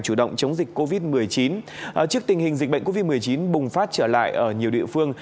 chủ động chống dịch covid một mươi chín trước tình hình dịch bệnh covid một mươi chín bùng phát trở lại ở nhiều địa phương